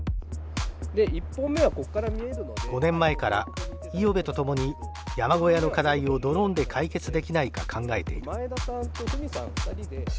５年前から五百部と共に山小屋の課題をドローンで解決できないか考えている。